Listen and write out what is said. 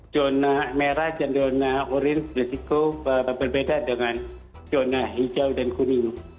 zona merah dan zona orange risiko berbeda dengan zona hijau dan kuning